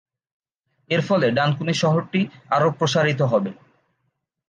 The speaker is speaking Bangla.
এর ফলে ডানকুনি শহরটি আরও প্রসারিত হবে।